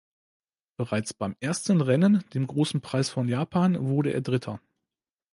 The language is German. Bereits beim ersten Rennen, dem Großen Preis von Japan wurde er Dritter.